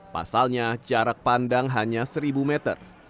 pasalnya jarak pandang hanya seribu meter